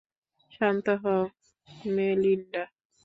শান্ত হও মেলিন্ডা।